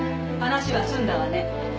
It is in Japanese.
話は済んだわね。